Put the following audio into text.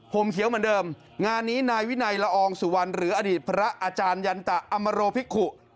ผมเขียวเหมือนเดิมงานนี้นายวินัยละอองสุวรรณหรืออดีตพระอาจารยันตะอมโรภิกุ